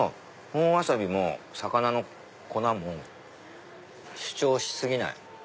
本ワサビも魚の粉も主張し過ぎない。